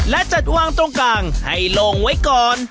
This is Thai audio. และจัดวางตรงกลางให้ลงไว้ก่อน